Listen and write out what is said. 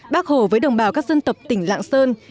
bác hồ với đồng bào các dân tộc tỉnh lạng sơn